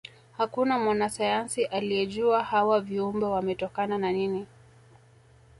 hakuna mwanasayansi aliejua hawa viumbe wametokana na nini